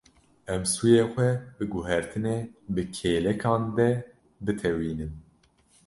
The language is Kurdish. Em stûyê xwe bi guhertinê bi kêlekan de bitewînin.